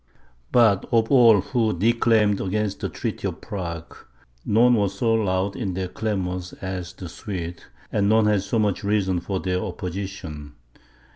But of all who declaimed against the treaty of Prague, none were so loud in their clamours as the Swedes, and none had so much reason for their opposition.